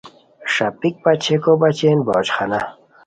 ݰاپیک پاچئیکو بچین باورچی خانہ